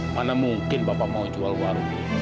mana mungkin bapak mau jual warung